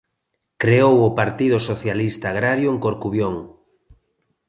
Creou o Partido Socialista Agrario en Corcubión.